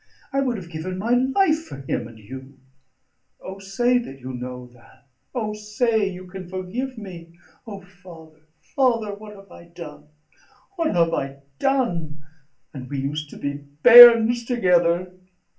I would have given my life for him and you. O! say you know that. O! say you can forgive me. O, father, father, what have I done what have I done? And we used to be bairns together!"